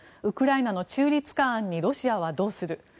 ウクライナの中立化案にロシアはどうする？